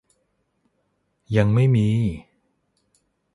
ยังไม่มี